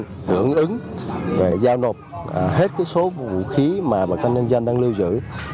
hưởng ứng và giao nộp hết số vũ khí mà bà con nhân dân đang lưu giữ